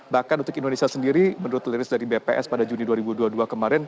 bahkan untuk indonesia sendiri menurut liris dari bps pada juni dua ribu dua puluh dua kemarin